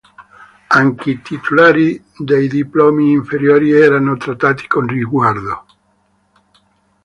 Anche i titolari dei diplomi inferiori erano trattati con riguardo.